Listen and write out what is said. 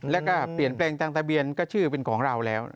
แล้วก็เปลี่ยนแปลงทางทะเบียนก็ชื่อเป็นของเราแล้ว